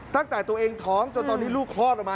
ตั้งแต่ตัวเองท้องจนตอนนี้ลูกคลอดออกมา